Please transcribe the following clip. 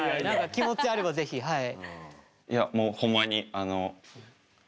気持ちあれば是非はい。